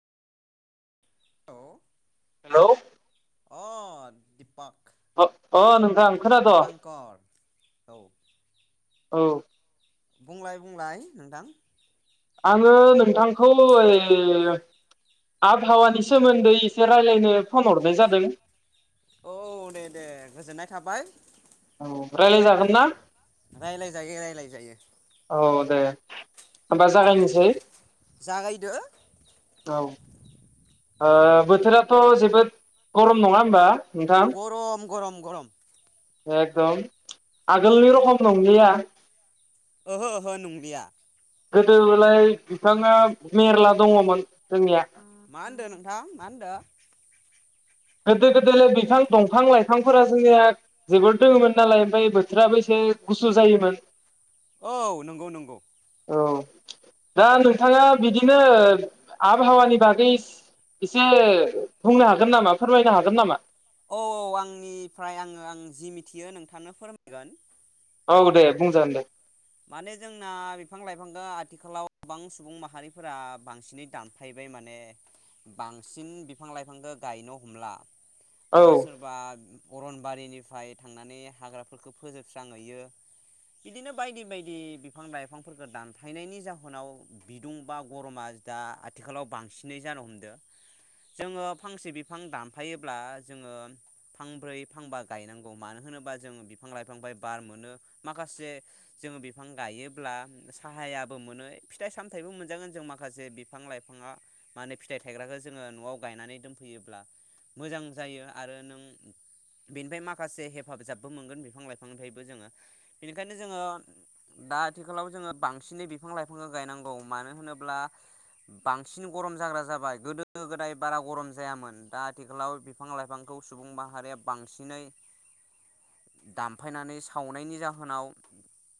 औ हेलौ अ दिफाख अ नोंथां खोनाद? औ औ बुंलाय बुंलाय नोंथां। आङो नोंथांखौ ओइ आबहावानि सोमोन्दै एसे राय्लायनो फन हरनाय जादों। औ दे दे गोजोननाय थाबाय। औ, रायलाय जागोन ना? रायलायजायो रायलायजायो औ दे होमबा जागायनोसै? जागायदो औ ओ बोथोराथ जोबोद गरम नङा होमबा गरम गरम गरम एगदम आगोलनि रकम नंलिया ओहो ओहो नंलिया गोदोलाय बिफाङा मेरला दङमोन। जोंनिया मा होनदो नोंथाङा मा होनदो? गोदो गोदोलाय बिफां, दंफां लाइफांफोरा जोंनिया जोबोर दोङोमोन नालाय ओमफ्राय बोथोराबो एसे गुसु जायोमोन। औ नोंगौ नोंगौ औ दा नोंथाङा बिदिनो आबहावानि बागै एसे बुंनो हागोन नामा? फोरमायनो हागोन नामा? औ औ आंनिफ्राय आङो आं जि मिथियो नोंथांनो फोरमायगोन। औ दे बुंंजागोन दे। माने जोंना बिफां लाइफांखौ आथिखालाव गोबां सुबुं माहारिफोरा बांसिनै दानफायबाय माने बांसिन बिफां लाइफांखौ गायनो हमला बा औ सोरबा अरनबारिनिफ्राय थांनानै हाग्राफोरखौ फोजोबस्रांहैयो बिदिनो बायदि बायदि बिफां लाइफांफोरखौ दानफायनायनि जाहोनाव बिदुं बा गरमा दा आथिखालाव बांसिनै जानो हमदों। जोङो फांसे बिफां दानफायोब्ला जोङो फांब्रै फांबा गायनांगौ। मानो होनोबा जोङो बिफां लाइफांनिफ्राय बार मोनो। माखासे जोङो बिफां गायोब्ला साहायाबो मोनो, फिथाइ सामथायाइबो मोनजागोन जों माखासे बिफां लाइफाङा माने फिथाइ थायग्राखो जोङो नआव गायनानै दोनफैयोब्ला मोजां जायो आरो नों बेनिफ्राय माखासे हेफाबिजाबबो मोनगोन बिफां लाइफांनिफ्रायबो जोङो बेनिखायनो जोङो दा आथिखालाव जोङो बांसिनै बिफां लाइफांखौ गायनांगौ मानो होनोब्ला बांसिन गरम जाग्रा जाबाय गोदो गोदाय बारा गरम जायामोन दा आथिखालाव बिफां लाइफांखौ सुबुं माहारिया बांसिनै दानफायनानै सावनायनि जाहोनाव